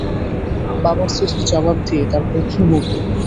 বাবার চিঠির জবাব দিয়ে তারপর ঘুমুবো।